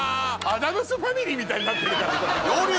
『アダムス・ファミリー』みたいになってるからこれ。